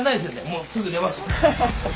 もうすぐ出ます。